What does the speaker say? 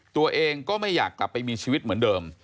ตัวเองก็ไม่อยากกลับไปมีชีวิตเหมือนเดิม